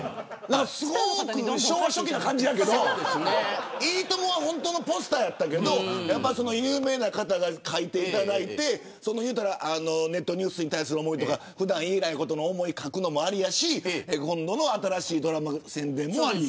すごく昭和初期な感じやけどいいともは本当のポスターやったけど有名な方に書いていただいてネットニュースに対する思いとか普段、言えないことの思いを書くのもありだし、今度の新しいドラマの宣伝もあり。